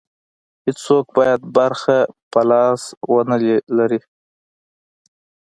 هېڅوک باید برخه په لاس کې ونه لري.